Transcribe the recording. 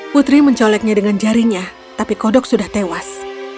putri mencoleknya dengan jarinya tapi kodok sudah tewas